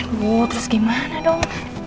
aduh terus gimana dong